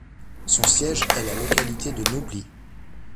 Son siège est la localité de Nauplie.